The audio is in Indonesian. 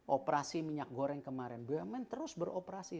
operasi minyak goreng kemarin bumn terus beroperasi